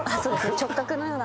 触角のような。